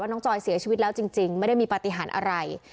จอยเสียชีวิตแล้วจริงไม่ได้มีปฏิหารอะไร